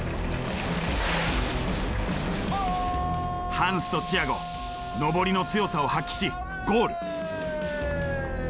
ハンスとチアゴ上りの強さを発揮しゴール。